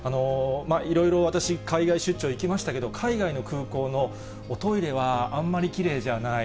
いろいろ私、海外出張行きましたけど、海外の空港のおトイレはあんまりきれいじゃない。